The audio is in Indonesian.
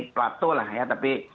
plato lah ya tapi